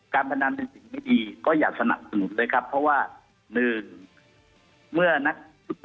การพนันเป็นสิ่งไม่ดีก็อย่าสนับสนุนเลยครับเพราะว่าหนึ่ง